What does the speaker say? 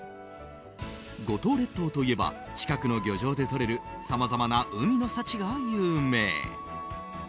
五島列島といえば近くの漁場でとれるさまざまな海の幸が有名。